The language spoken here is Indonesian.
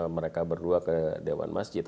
mereka berdua ke dewan masjid